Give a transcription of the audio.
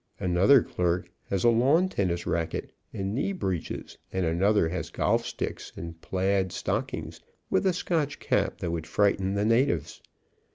Another clerk has a lawn tennis racket, and knee breeches, and another has golf sticks, and plaid stock THE VACATION SEASON 187 ings, with a Scotch cap that would frighten the na tives.